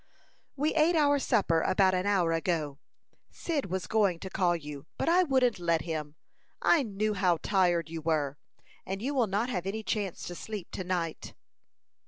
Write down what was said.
"We ate our supper about an hour ago. Cyd was going to call you, but I wouldn't let him. I knew how tired you were, and you will not have any chance to sleep to night."